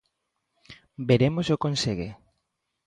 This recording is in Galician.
Veremos se o consegue.